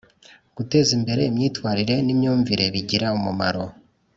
Guteza imbere imyitwarire n imyumvire bigira umumaro